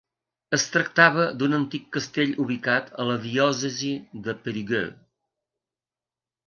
Es tractava d'un antic castell ubicat a la diòcesi de Périgueux.